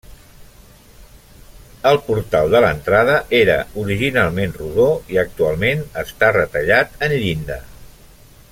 El portal de l'entrada era originalment rodó i actualment està retallat en llinda.